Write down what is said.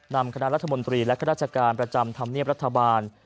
นำคณะรัฐมนตรีและข้าราชการประจำธรรมเนียบรัฐบาล